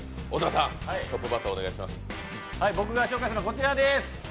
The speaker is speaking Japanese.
僕が紹介するのはこちらです。